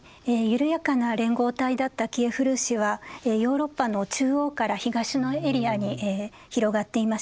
緩やかな連合体だったキエフ・ルーシはヨーロッパの中央から東のエリアに広がっていました。